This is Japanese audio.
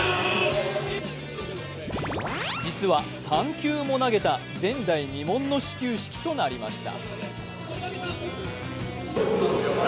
実は３球も投げた、前代未聞の始球式となりました。